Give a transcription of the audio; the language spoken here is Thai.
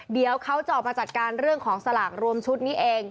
เดี๋ยวเขาจะออกมาจัดการเรื่องของสลากรวมชุดนี้เอง